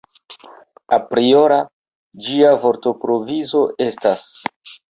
Apriora ĝia vortprovizo estas.